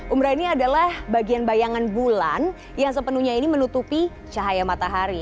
umrah ini adalah bagian bayangan bulan yang sepenuhnya ini menutupi cahaya matahari